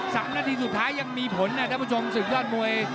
สามนาทีสุดท้ายยังมีผลนะท่านผู้ชมศึกยอดมวย